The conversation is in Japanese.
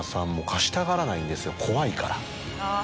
怖いから。